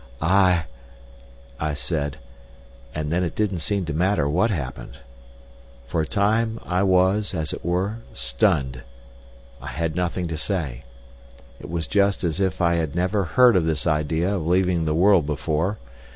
"I—" I said, and then it didn't seem to matter what happened. For a time I was, as it were, stunned; I had nothing to say. It was just as if I had never heard of this idea of leaving the world before.